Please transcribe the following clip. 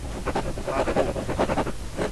مخوف